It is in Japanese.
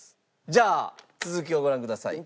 じゃあ続きをご覧ください。